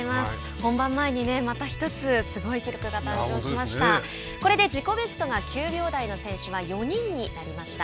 本番前にまた一つすごい記録が誕生しました。